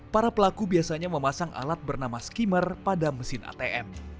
para pelaku biasanya memasang alat bernama skimmer pada mesin atm